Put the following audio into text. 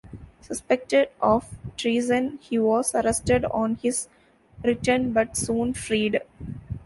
Suspected of treason, he was arrested on his return but soon freed.